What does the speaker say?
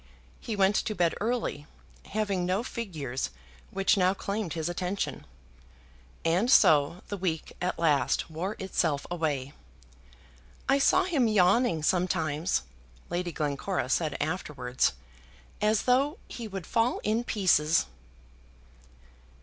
He went to bed early, having no figures which now claimed his attention. And so the week at last wore itself away. "I saw him yawning sometimes," Lady Glencora said afterwards, "as though he would fall in pieces."